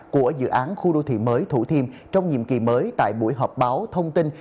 của dự án khu đô thị mới thủ thiêm trong nhiệm kỳ mới tại buổi họp báo thông tin